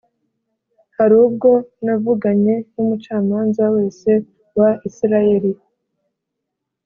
hari ubwo navuganye n’umucamanza wese wa Isirayeli